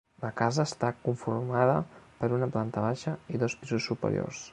La casa està conformada per una planta baixa i dos pisos superiors.